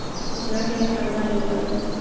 په سړک کې خرګاډۍ ولاړ ده